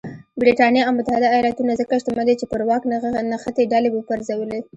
برېټانیا او متحده ایالتونه ځکه شتمن دي چې پر واک نښتې ډلې وپرځولې.